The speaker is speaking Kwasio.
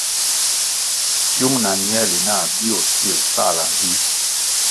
Tsiung na mierli nah bio sier pahla mvih.